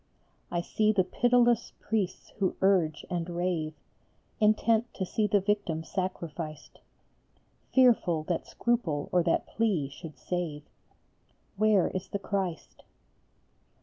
I see the pitiless priests who urge and rave, Intent to see the victim sacrificed, Fearful that scruple or that plea should save Where is the Christ?